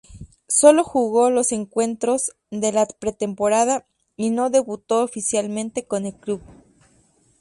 Solo jugó los encuentros de la pretemporada y no debutó oficialmente con el club.